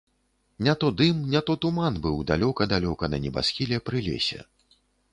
Не то дым, не то туман быў далёка-далёка на небасхіле, пры лесе.